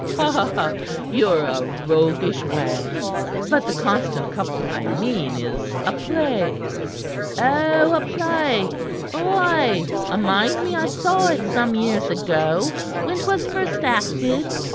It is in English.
"Ha! Ye're a roguish wag! But 'The Constant Couple' I mean is a play." "Oh, a play! Ay, I mind me I saw it some years ago, when 'twas first acted.